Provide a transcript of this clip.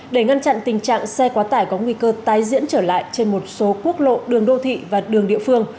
để ngăn chặn tình trạng xe quá tải có nguy cơ tái diễn trở lại trên một số quốc lộ đường đô thị và đường địa phương